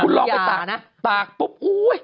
คุณลองไปตากนะตากปุ๊บอุ๊ย